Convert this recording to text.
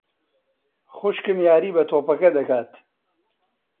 خوشکم یاری بە تۆپەکە دەکات.